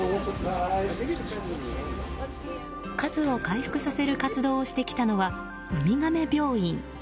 数を回復させる活動をしてきたのはウミガメ病院。